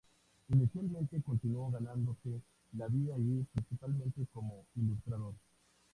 Inicialmente, continuó ganándose la vida allí principalmente como ilustrador.